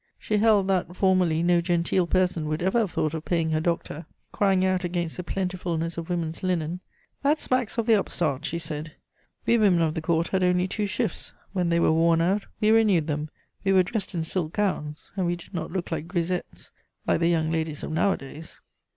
She held that formerly no genteel person would ever have thought of paying her doctor. Crying out against the plentifulness of women's linen: "That smacks of the upstart," she said; "we women of the Court had only two shifts: when they were worn out, we renewed them; we were dressed in silk gowns, and we did not look like grisettes, like the young ladies of nowadays."